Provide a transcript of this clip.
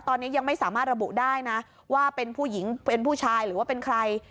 ตอนนี้ยังไม่สามารถระบุได้นะว่าเป็นผู้หญิงเป็นผู้ชายหรือว่าเป็นใคร